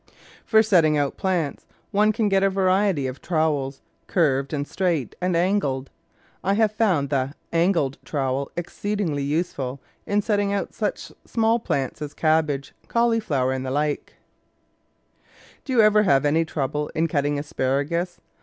For setting out plants, one can get a variety of trow^els, curved, straight, and angled. I have found the angled trowel exceedingly useful in setting out such small plants as cabbage, cauliflower, and the like. TOOLS WHICH MAKE GARDENING EASY Do you ever have any trouble in cutting aspar agus?